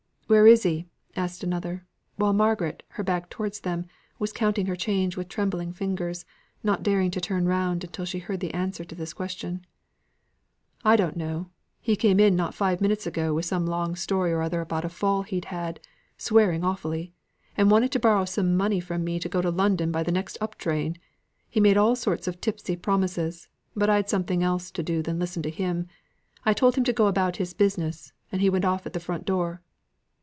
"Where is he?" asked another, while Margaret, her back towards them, was counting her change with trembling fingers, not daring to turn round until she heard the answer to this question. "I don't know. He came in not five minutes ago, with some long story or other about a fall he'd had, swearing awfully: and wanted to borrow some money from me to go to London by the next up train. He made all sorts of tipsy promises, but I'd something else to do than listen to him; I told him to go about his business; and he went off at the front door."